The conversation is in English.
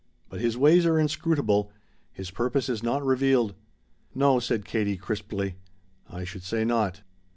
But His ways are inscrutable. His purpose is not revealed." "No," said Katie crisply, "I should say not."